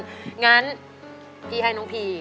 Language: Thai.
ฉะนั้นพี่ให้น้องพี่